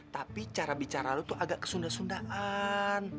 tapi cara bicara lo tuh agak kesunda sundaan